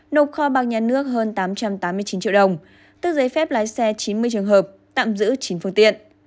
nộp kho bạc nhà nước hơn tám trăm tám mươi chín triệu đồng tức giấy phép lái xe chín mươi trường hợp tạm giữ chín phương tiện